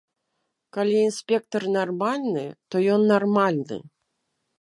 Калі інспектар нармальны, то ён нармальны.